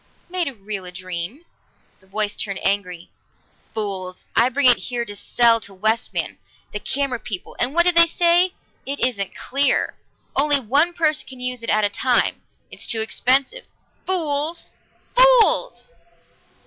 "Made real a dream." The voice turned angry. "Fools! I bring it here to sell to Westman, the camera people, and what do they say? 'It isn't clear. Only one person can use it at a time. It's too expensive.' Fools! Fools!"